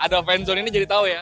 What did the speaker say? ada fan zone ini jadi tahu ya